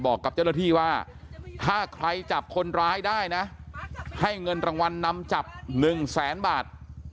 บอกกับเจ้าหน้าที่ว่าถ้าใครจับคนร้ายได้นะให้เงินรางวัลนำจับ๑แสนบาท